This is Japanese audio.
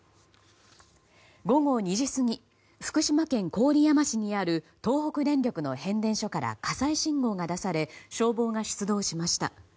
午後２時過ぎ福島県郡山市にある東北電力の変電所から火災信号が出され消防が出動しました。